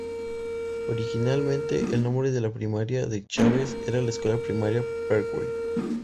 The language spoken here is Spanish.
Originalmente el nombre de la primaria de Chávez era la Escuela Primaria Parkway.